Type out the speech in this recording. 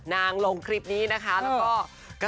ลงคลิปนี้นะคะแล้วก็